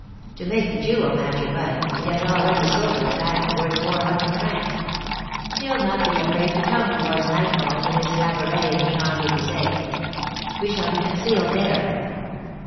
To make the jewel matcher bite he has already sold her a diamond worth four hundred francs. She'll not be afraid to come towards nightfall to his cabaret in the Champs Elysées. We shall be concealed there.